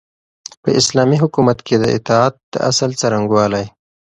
په اسلامي حکومت کي د اطاعت د اصل څرنګوالی